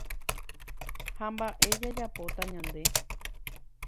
Ha mba'e jajapóta ñande.